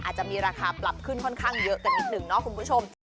อาจจะมีราคาปรับขึ้นค่อนข้างเยอะกันนิดนึงเนาะคุณผู้ชม